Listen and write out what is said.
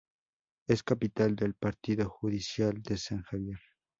Es capital del Partido Judicial de San Javier.